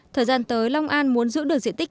thời gian tới long an muốn giữ được diện tích